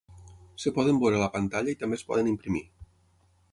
Es poden veure a la pantalla i també es poden imprimir.